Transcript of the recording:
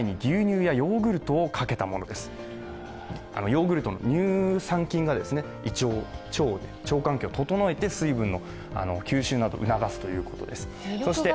ヨーグルトの乳酸菌が腸環境を整えて水分の吸収を促すということです。